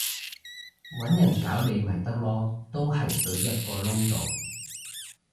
搵人搞你咪得囉，都係隊入個窿度